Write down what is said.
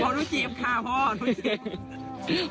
พ่อหนูจีบฆ่าพ่อหนูเจ็บ